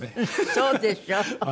そうでしょ？